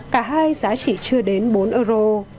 cả hai giá chỉ chưa đến bốn euro